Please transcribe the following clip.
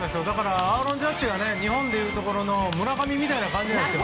アーロン・ジャッジが日本でいうところの村上みたいな感じなんです。